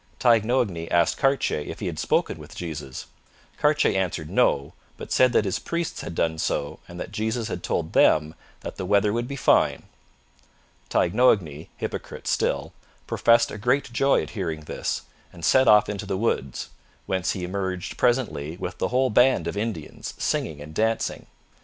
Taignoagny asked Cartier if he had spoken with Jesus. Cartier answered no, but said that his priests had done so and that Jesus had told them that the weather would be fine. Taignoagny, hypocrite still, professed a great joy at hearing this, and set off into the woods, whence he emerged presently with the whole band of Indians, singing and dancing.